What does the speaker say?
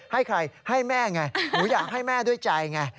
ให้ใครให้แม่ไงหนูอยากให้แม่ด้วยใจไง